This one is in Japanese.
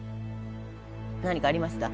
何かありました？